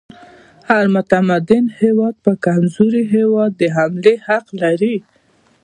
هر متمدن هیواد پر کمزوري هیواد د حملې حق لري.